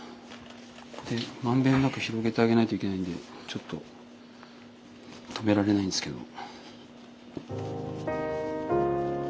で満遍なく広げてあげないといけないんでちょっと止められないんですけど。